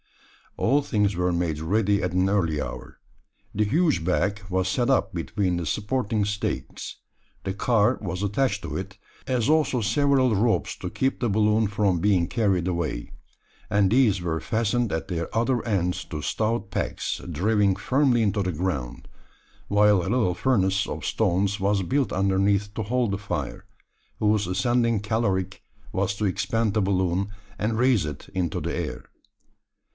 All things were made ready at an early hour. The huge bag was set up between the supporting stakes the car was attached to it, as also several ropes to keep the balloon from being carried away; and these were fastened at their other ends to stout pegs, driven firmly into the ground; while a little furnace of stones was built underneath to hold the fire, whose ascending caloric was to expand the balloon, and raise it into the air.